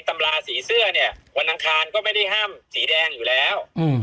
ตำราสีเสื้อเนี่ยวันอังคารก็ไม่ได้ห้ามสีแดงอยู่แล้ว